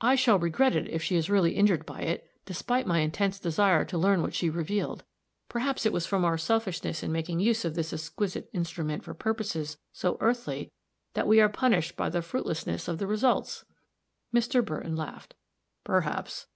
"I shall regret it, if she is really injured by it, despite my intense desire to learn what she revealed. Perhaps it was from our selfishness in making use of this exquisite instrument for purposes so earthly that we are punished by the fruitlessness of the results." Mr. Burton laughed. "Perhaps.